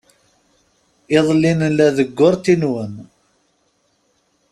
Iḍelli nella deg urti-nwen.